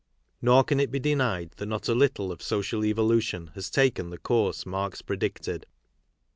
Nor can it be denied that not a little of /social evolution has taken the course Marx predicted.